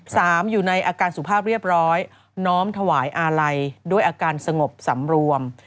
อยู่ในอาการสุภาพเรียบร้อยน้อมถวายอาลัยด้วยอาการสงบสำรวม